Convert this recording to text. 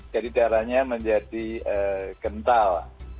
jadi darahnya menjadi kental